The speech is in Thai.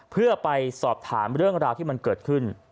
เพื่อไปสอบถามเรื่องราวที่มันเกิดขึ้น